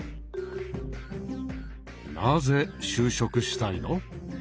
なぜ就職したいの？